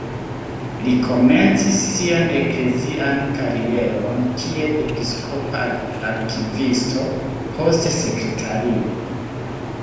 Li komencis sian eklezian karieron kiel episkopa arkivisto, poste sekretario.